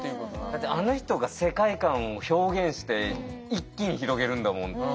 だってあの人が世界観を表現して一気に広げるんだもん。